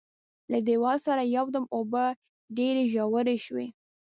له دیواله سره یو دم اوبه ډېرې ژورې شوې.